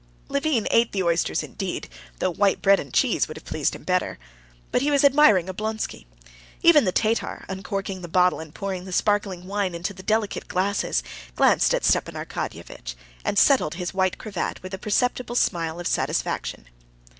Levin ate the oysters indeed, though white bread and cheese would have pleased him better. But he was admiring Oblonsky. Even the Tatar, uncorking the bottle and pouring the sparkling wine into the delicate glasses, glanced at Stepan Arkadyevitch, and settled his white cravat with a perceptible smile of satisfaction.